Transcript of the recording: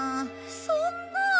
そんな。